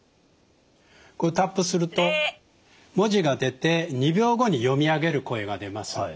こうタップすると文字が出て２秒後に読み上げる声が出ます。